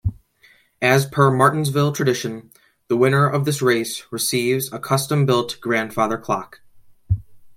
As per Martinsville tradition, the winner of this race receives a custom-built grandfather clock.